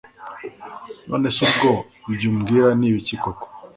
nonese ubwo ibyoumbwira nibiki koko